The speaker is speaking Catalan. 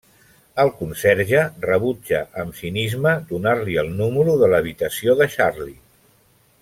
El conserge rebutja amb cinisme donar-li el número de l'habitació de Charlie.